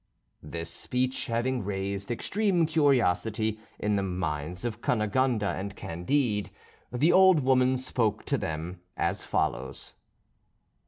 This speech having raised extreme curiosity in the minds of Cunegonde and Candide, the old woman spoke to them as follows.